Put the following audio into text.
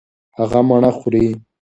هغه مڼه خوري.